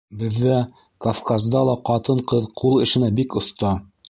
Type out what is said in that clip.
- Беҙҙә, Кавказда ла, ҡатын-ҡыҙ ҡул эшенә бик оҫта.